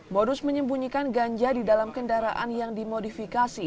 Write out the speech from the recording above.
modus menyembunyikan ganja di dalam kendaraan yang dimodifikasi